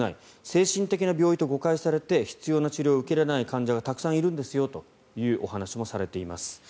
精神的な病気と誤解されて必要な治療を受けられない患者がたくさんいるんですよというお話もされています。